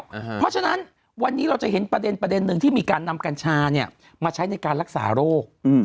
เพราะฉะนั้นวันนี้เราจะเห็นประเด็นหนึ่งที่มีการนำกัญชาเนี่ยมาใช้ในการรักษาโรค